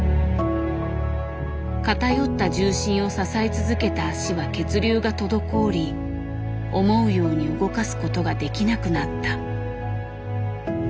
偏った重心を支え続けた足は血流が滞り思うように動かすことができなくなった。